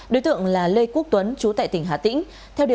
đối tượng là lê quốc tuấn chú tại tỉnh hà tĩnh